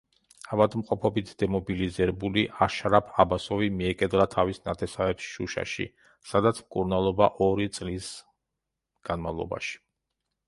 ავადმყოფობით დემობილიზებული, აშრაფ აბასოვი მიეკედლა თავის ნათესავებს შუშაში, სადაც მკურნალობა ორი წლის განმავლობაში.